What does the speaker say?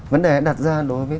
vấn đề đặt ra đối với